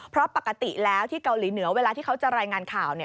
เพราะปกติแล้วที่เกาหลีเหนือเวลาที่เขาจะรายงานข่าว